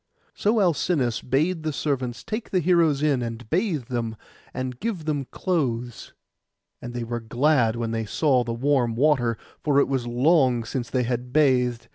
So Alcinous bade the servants take the heroes in, and bathe them, and give them clothes. And they were glad when they saw the warm water, for it was long since they had bathed.